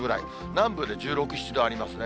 南部で１６、７度ありますね。